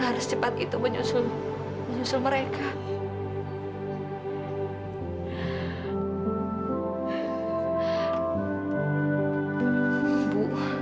wah pahit banget sih